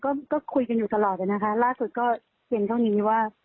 ก็ก็คุยกันอยู่ตลอดนะคะล่าสุดก็เพียงเท่านี้ว่า